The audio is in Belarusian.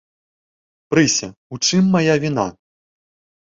Прыся, у чым мая віна?